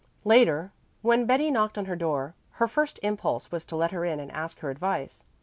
Later, when Betty knocked on her door, her first impulse was to let her in and ask her advice.